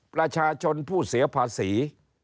ประชาชนผู้เสียภาษี